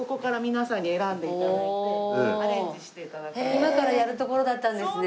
今からやるところだったんですね。